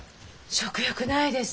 食欲ないです。